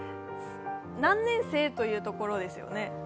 何年生というところですよね。